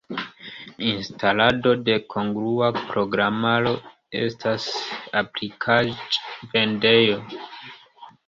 Instalado de kongrua programaro eblas en aplikaĵ-vendejo.